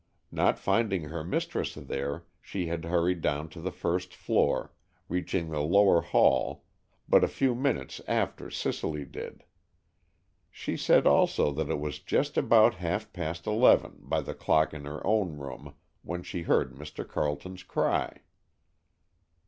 Not finding her mistress there, she had hurried down to the first floor, reaching the lower hall but a few minutes after Cicely did. She said also that it was just about half past eleven by the clock in her own room when she heard Mr. Carleton's cry.